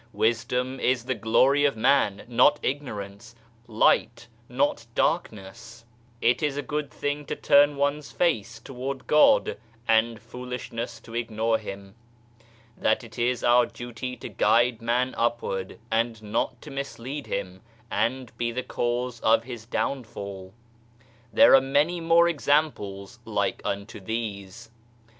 Wisdom is the glory of man, not Ignorance ; Light, not Darkness ! It is a good thing to turn one's face toward God, and foolishness to ignore Him. That it is our duty to guide man upward, and not to mislead him and be the cause of his downfall. There are many more examples like unto these.